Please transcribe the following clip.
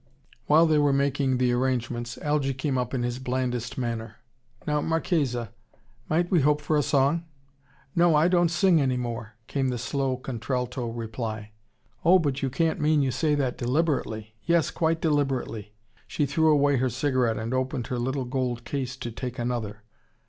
While they were making the arrangements, Algy came up in his blandest manner. "Now Marchesa might we hope for a song?" "No I don't sing any more," came the slow, contralto reply. "Oh, but you can't mean you say that deliberately " "Yes, quite deliberately " She threw away her cigarette and opened her little gold case to take another.